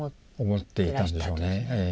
思っていたんでしょうね。